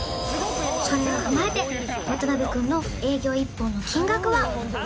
それを踏まえて渡辺君の営業１本の金額は？